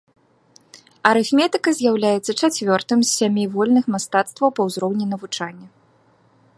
Арыфметыка з'яўляецца чацвёртым з сямі вольных мастацтваў па ўзроўні навучання.